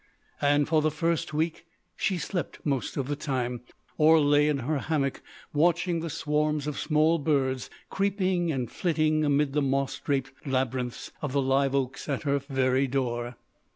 And, for the first week, she slept most of the time, or lay in her hammock watching the swarms of small birds creeping and flitting amid the moss draped labyrinths of the live oaks at her very door.